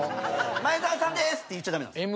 「前澤さんです」って言っちゃダメなんですよ。